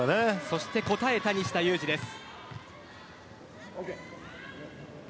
そして応えた西田有志です。